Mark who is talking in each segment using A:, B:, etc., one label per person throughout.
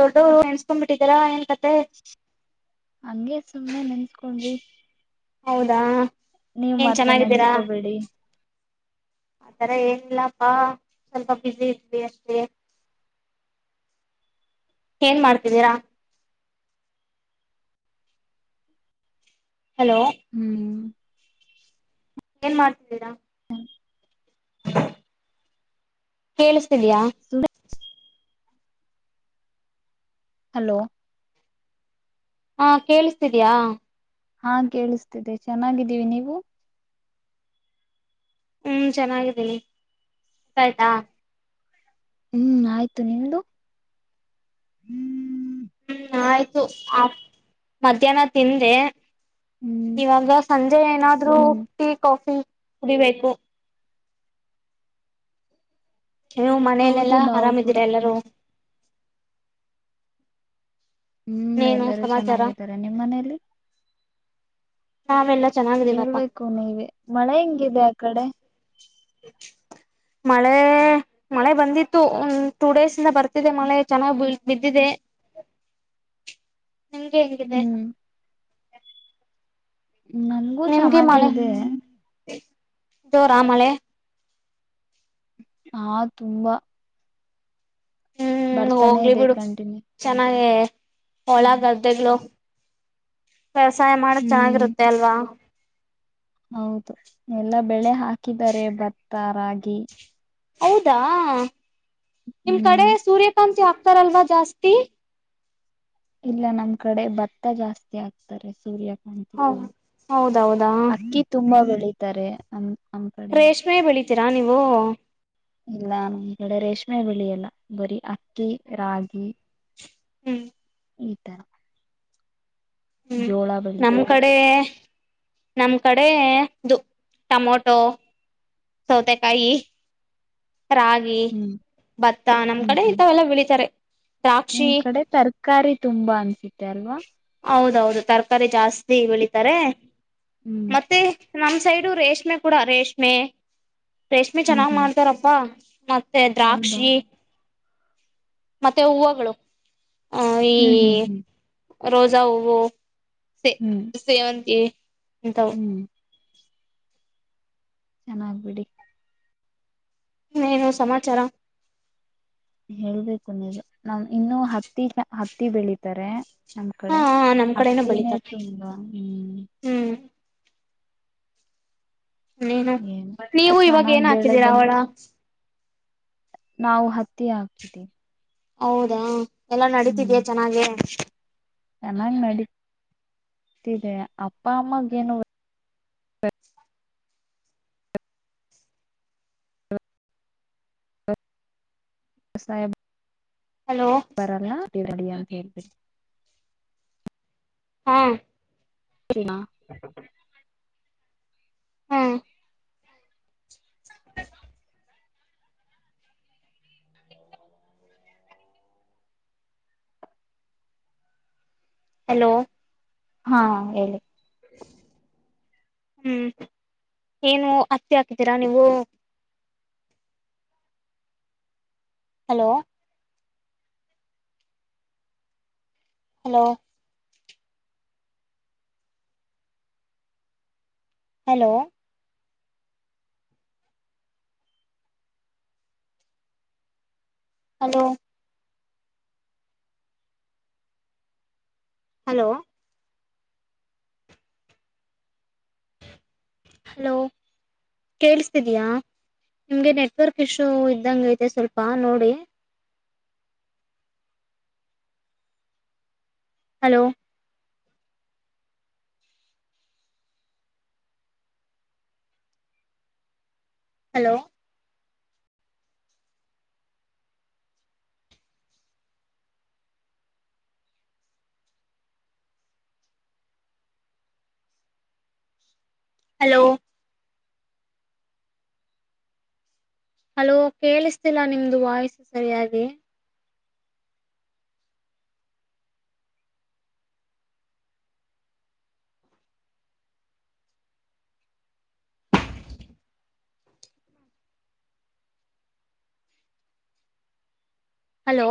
A: ದೊಡ್ಡವರು ಎಣಸ್ಕೊಂಡ್ಬ ಬಿಟ್ಟಿದರಾ ಏನ್
B: ಹಂಗೆಗೆ ಸುಮ್ನೆ ನೆನ್ಸ್ಕೊಂಡಿ
A: ಹೌದಾ
B: ನೀವು ಮಾತ್ರ ನೆನ್ಸ್ಕೋಬೇಡಿ.
A: ಆಥರ ಏನಿಲ್ಲಪ್ಪಾ, ಸ್ವಲ್ಪ ಬಿಸಿಲಿ ಇರ್ಲಿ ಅಷ್ಟೇ. ಏನ್ ಮಾಡ್ತಿದ್ದೀರಾ? ಹಲೋ
B: ಹ್ಮ್
A: ಏನ್ ಮಾಡ್ತಿದ್ದೀರಾ? ಹ ಕೇಳಸ್ ತ್ತದಿಯಾ?
B: ಸುಮ್ನೆ ಹಲೋ
A: ಹಾ ಕೇಳಿಸ್ತಿದಯಾ?
B: ಹಾ ಕೇಳಿಸ್ತಿದೆ. ಚೆನ್ನಾಗಿದ್ದೀವಿ ನೀವು?
A: ಹ್ಮ್ ಚೆನ್ನಾಗಿದ್ದೀನಿ, ಊಟಾ ಆಯ್ತಾ?
B: ಹ್ಮ್ ಆಯ್ತು ನಿಮ್ದು ಹ್ಮ್
A: ಹ್ಮ್ ಆಯ್ತು ಆ ಮಧ್ಯಾಹ್ನ ತಿಂದೆ
B: ಹ್ಮ್
A: ಇವಾಗ ಸಂಜೆ ಏನಾದ್ರು ಟೀ ಕಾಫಿ ಕುಡಿಬೇಕು ನೀವು
B: ಹೌದು
A: ಮನೇಲೆೆಲ್ಲಾ
B: ನಾವು ಕೂಡ
A: ಆರಾಮಿದೀರಾ ಎಲ್ಲಾರೂ
B: ಹ್ಮ್
A: ಇನ್ನೇನು
B: ಎಲ್ಲರೂ
A: ಸಮಾಚಾರ
B: ಚೆನ್ನಾಗಿದ್ದಾರೆ ನಿಮ್ಮ್ ಮನೇಲಿ
A: ನಾವೆಲ್ಲಾ ಚೆನ್ನಾಗಿದೀವಪ್ಪಾ
B: ಹೇಳ್ಬೇಕು ನೀವೆ ಮಳೆ ಹೆಂಗಿದೆ ಆ ಕಡೆ
A: ಮಳೆ ಮಳೆ ಬಂದಿತ್ತು ಒಂದ್ ಟು ಡೇಸ್ ಇಂದ ಬರ್ತಿದೆ ಮಳೆ ಚೆನ್ನಾಗ ಬಿದ್ದಿದೆ ನಂಗೆ ಹೆಂಗಿದೆ
B: ಹ್ಮ್ ನಂಗೂ
A: ನಿಮ್ಗೆ
B: ಚೆನ್ನಾಗೇ
A: ಮಳೆ
B: ಇದೆ
A: ಜೋರಾ ಮಳೆ
B: ಹಾ ತುಂಬಾ
A: ಹ್ಮ್
B: ಬರ್ತಾನೆ
A: ಹೋಗ್ಲಿ
B: ಇದೆ
A: ಬಿಡು
B: ಕಂಟಿನ್ಯೂ
A: ಚೆನ್ನಾಗೇ ಹೊಳಾ ಗದ್ದೆಗ್ಳು ವ್ಯವಸಾಯ ಮಾಡಕ್
B: ಹ್ಮ್
A: ಚೆನ್ನಾಗಿರುತ್ತೆ ಅಲ್ವಾ
B: ಹೌದು ಎಲ್ಲಾ ಬೆಳೆ ಹಾಕಿದ್ದಾರೆ ಭತ್ತ ರಾಗಿ
A: ಹೌದಾ ನಿಮ್ ಕಡೆ
B: ಹ್ಮ್
A: ಸೂರ್ಯಕಾಂತಿ ಹಾಕ್ ತಾರಲ್ವಾ ಜಾಸ್ತಿ
B: ಇಲ್ಲ ನಮ್ ಕಡೆ ಭತ್ತ ಜಾಸ್ತಿ ಆಗ್ತಾರೆ ಸೂರ್ಯ
A: ಹಾ ಹೌದೌದಾ
B: ಅಕ್ಕಿ ತುಂಬಾ ಬೆಳಿತಾರೆ ಅಮ್ಮ ಕಡೆ
A: ತಿರಾ ನೀವು
B: ಇಲ್ಲ ನಮ್ ಕಡೆ ರೇಷ್ಮೆ ಬೆಳಿಯಲ್ಲ ಬರಿ ರೀ ರಾಗಿ
A: ಹ್ಮ್
B: ಈ ತರ
A: ಹ್ಮ್
B: ಜೋಳ
A: ನಮ್ಮ್
B: ಬೆಳಿತಾರೆ
A: ಕಡೆ ನಮ್ ಕಡೆ ದು ಟಮೊಟೊ ಸೌತೆ ಕಾಯಿ ರಾಗಿ
B: ಹ್ಮ್
A: ಭತ್ತ ನಮ್
B: ಹ್ಮ್
A: ಕಡೆ
B: ಹ್ಮ್
A: ಇಂತವೆೆಲ್ಲ ಬೆಳಿತಾರೆ
B: ನಿಮ್
A: ದ್ರಾಕ್ಷಿ
B: ಕಡೆ ತರಕಾರಿ ತುಂಬಾ ಅನ್ಸತ್ತೆ ಅಲ್ವಾ
A: ಹೌದು ತರಕಾರಿ ಜಾಸ್ತಿ ಬೆಳಿತಾರೆ
B: ಹ್ಮ್
A: ಮತ್ತೆ ನಮ್ ಸೈಡು ರೇಷ್ಮೆ ಕೂಡ ರೇಷ್ಮೆ [unintelligible] ರೇಷ್ಮೆ
B: ಹ್ಮ್
A: ಚೆನ್ನಾಗ್
B: ಹ್ಮ್
A: ಮಾಡ್ತಾರಪ್ಪಾ [unintelligible] ಮತ್ತೆ
B: ಹೌದಾ
A: ದ್ರಾಕ್ಷಿ [unintelligible] ಮತ್ತೆ ಹೂವುಗಳು ಆ ಈ
B: ಹ್ಮ್ ಹ್ಮ್ ಹ್ಮ್
A: ರೋಜಾ ಹೂವು ಸೇ
B: ಹ್ಮ್
A: ಸೇವಂತಿ ಇಂತವು
B: ಹ್ಮ್ ಚೆನ್ನಾಗ್ಬಿಡಿ [unintelligible]
A: ನೀನು ಸಮಾಚಾರ
B: ಹೇಳ್ಬೇಕು ನೀವು ನಾ ಇನ್ನು ಹತ್ತಿ ಚ ಹತ್ತಿ ಬೆಳಿತಾರೆ ನಮ್
A: ಹಾ
B: ಕಡೆ
A: ನಮ್ ಕಡೆನೂ
B: ಹತ್ತಿನೇ
A: ಬೆಳಿತಾರೆ
B: ತುಂಬಾ ಹ್ಮ್
A: ಹ್ಮ್ ನೀನು
B: ಏನು
A: ನೀವು ಇವಾಗ
B: ಚೆನ್ನಾಗ್
A: ಏನ್
B: ಬೆಳೆ
A: ಹಾಕಿದ್ದೀರಾ ಅವಳ
B: ಬಂದ್ರೆ ನಾವು ಹತ್ತೆ ಹಾಕಿದೆ
A: ಹೌದಾ ಎಲ್ಲಾ ನಡತಿದೀ್ಯಾ ಚೆನ್ನಾಗೆ
B: ಚೆನ್ನಾಗ್ ನಡತಿದೆ ಅಪ್ಪ ಅಮ್ಮಗ ಏನು [inaudible]
A: ಹಲೋ
B: ರಡಿಯಾ ಕೇಳ್ಬನ್
A: ಹಾ
B: ಣ
A: ಹ ಹಲೋ
B: ಹಾ ಹೇಳಿ
A: ಹ್ಮ್ ಏನು ಹತ್ತಿ ಹಾಕಿದ್ದೀರಾ ನೀವು ಹಲೋ ಹಲೋ ಹಲೋ ಅದು ಹಲೋ ಹಲೋ ಕೇೇಳಸ್ತಿದಯಾ ನಿಮ್ಗೆ ನೆಟ್ವರ್ಕ್ ಇಶ್ಯೂ ಇದ್ದಂಗ ೈತೆ ಸ್ವಲ್ಪ ನೋಡಿ ಹಲೋ ಹಲೋ ಹಲೋ ಹಲೋ ಕೇಳಿಸ್ತಿಲ್ಲ ನಿಮ್ದು ವಾಯ್ಸು ಸರಿಯಾಗಿ ಹಲೋ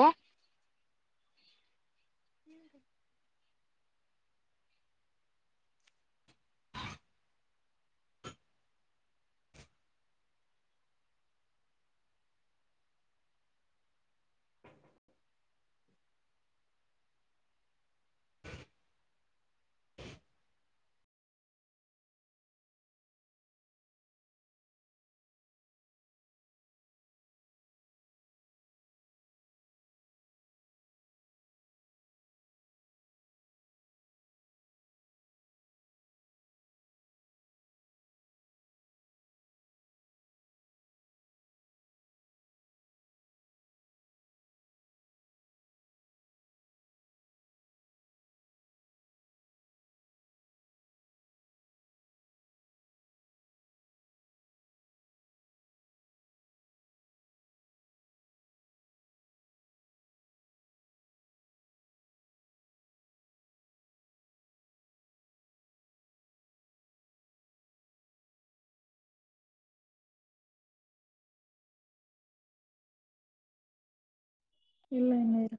A: ಹ್ಮ್
B: ಇಲ್ಲ ಇನ್ನರು